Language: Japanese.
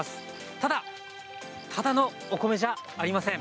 ただ、ただのお米じゃありません。